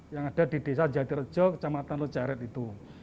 yang ada di desa jatir ejo kecamatan lecaret itu